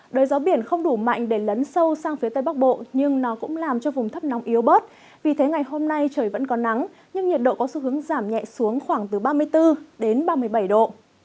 đời gió biển không đủ mạnh để lấn sâu sang phía tây bắc bộ nhưng nó cũng làm cho vùng thấp nóng yếu bớt vì thế ngày hôm nay trời vẫn có nắng nhưng nhiệt độ có xu hướng giảm nhẹ xuống khoảng từ ba mươi bốn đến ba mươi bảy độ